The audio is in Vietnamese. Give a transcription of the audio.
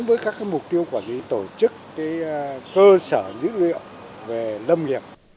việc đầu tiên chúng tôi xác định